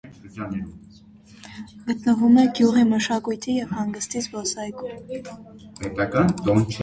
Գտնվում է գյուղի մշակույթի և հանգստի զբոսայգում։